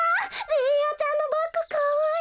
ベーヤちゃんのバッグかわいい！